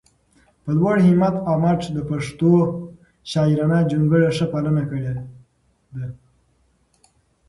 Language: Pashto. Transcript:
په لوړ همت او مټ د پښتو شاعرانه جونګړې ښه پالنه کړي ده